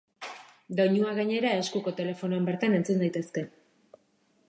Doinuak gainera, eskuko telefonoan bertan entzun daitezke.